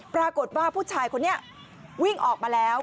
ปรากฏว่าผู้ชายคนนี้วิ่งออกมาแล้ว